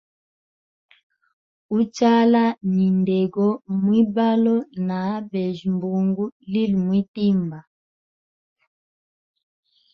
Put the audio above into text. Uchala ni ndego mwibalo na abejya mbungu lili mwitimba.